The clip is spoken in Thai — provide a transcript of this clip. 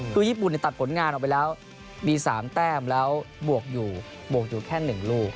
คือยี่ปุ่นตรับผลงานออกไปแล้วมี๓แท้มแล้วบวกอยู่แค่๑ลูก